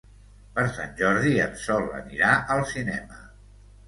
Per Sant Jordi en Sol anirà al cinema.